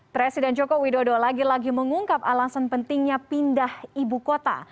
presiden joko widodo lagi lagi mengungkap alasan pentingnya pindah ibu kota